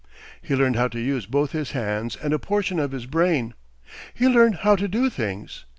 He learned how to use both his hands and a portion of his brain. He learned how to do things.